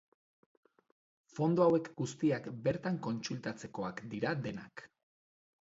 Fondo hauek guztiak bertan kontsultatzekoak dira denak.